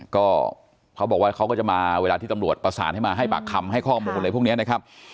ก็เขาบอกว่าเขาก็จะมาเวลาที่ตำรวจประสานให้มาให้ปากคำให้ข้อมูลอะไรพวกนี้นะครับ